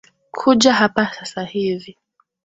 Kuja hapa sasa hivi